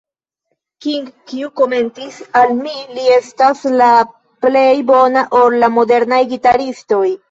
King, kiu komentis, "al mi li estas la plej bona el la modernaj gitaristoj.